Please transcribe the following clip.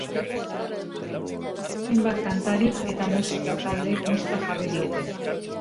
Hainbat kantarik eta musika taldek musika jarri diete.